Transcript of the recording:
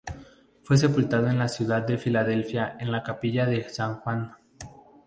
Fue sepultado en la ciudad de Filadelfia, en la capilla de San Juan.